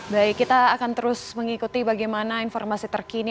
baik kita akan terus mengikuti bagaimana informasi terkini